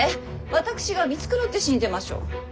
私が見繕ってしんぜましょう。